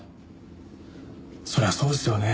そりゃそうですよね。